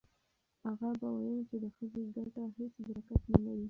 اغا به ویل چې د ښځې ګټه هیڅ برکت نه لري.